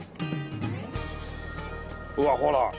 うわっほら。